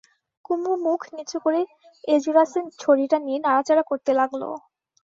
কুমু মুখ নিচু করে এসরাজের ছড়িটা নিয়ে নাড়াচাড়া করতে লাগল।